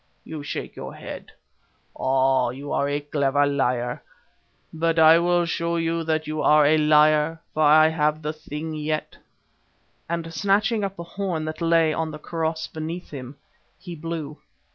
You shake your head oh! you are a clever liar, but I will show you that you are a liar, for I have the thing yet," and snatching up a horn which lay on the kaross beneath him, he blew.